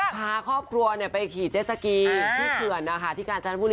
พาครอบครัวไปขี่เจ็ดสกีที่เผื่อนที่กาญจันทร์ภูมิ